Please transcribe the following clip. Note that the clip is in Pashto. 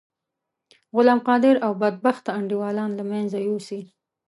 غلام قادر او بدبخته انډيوالان له منځه یوسی.